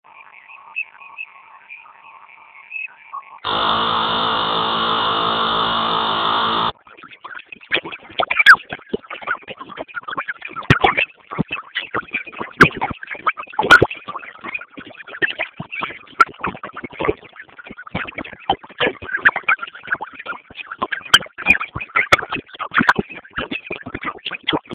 It made him cross.